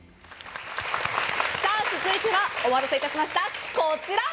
続いてはお待たせいたしました、こちら！